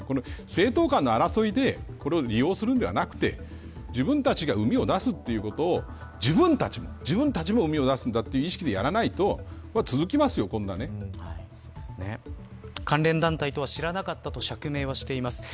政党間の争いでこれを利用するのではなく自分たちが、うみを出すことを自分たちもうみを出すんだという意識でやらないと関連団体とは知らなかったと釈明しています。